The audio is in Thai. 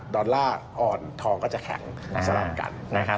ดอลลาร์อ่อนทองก็จะแข็งสลัมกัน